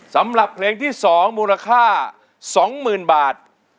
สำหรับเพลงที่สองมูลค่าสองหมื่นบาท